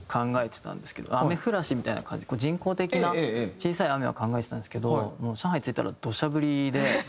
雨降らしみたいな感じで人工的な小さい雨を考えてたんですけど上海に着いたら土砂降りで。